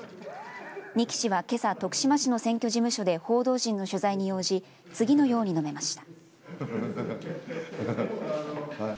仁木氏は、けさ、徳島市の選挙事務所で報道陣の取材に応じ次のように述べました。